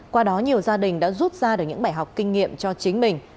qua đó nhiều gia đình đã rút ra được những bài học kinh nghiệm cho chính mình